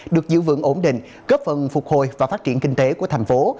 được dự vựng ổn định góp phần phục hồi và phát triển kinh tế của thành phố